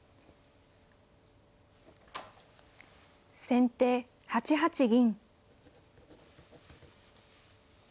先手８八銀。